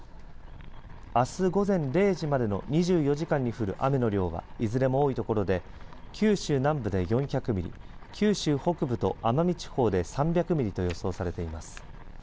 あす午前０時までの２４時間に降る雨の量はいずれも多いところで九州南部で４００ミリ九州北部と奄美地方で３００ミリと予想されています。